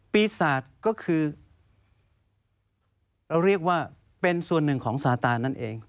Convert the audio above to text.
ปีศาจก็คือเราเรียกว่าเป็นส่วนหนึ่งของสาตานั่นเอง